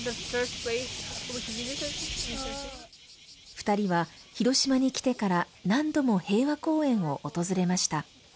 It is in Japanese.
２人は広島に来てから何度も平和公園を訪れました。